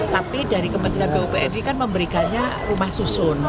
tapi dari kementerian pupr ini kan memberikannya rumah susun